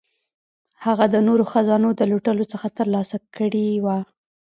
هغه د نورو خزانو د لوټلو څخه ترلاسه کړي وه.